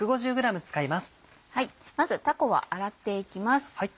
まずたこは洗っていきます。